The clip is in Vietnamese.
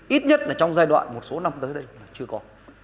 ít nhất là trong giai đoạn một số năm tới đây là chưa có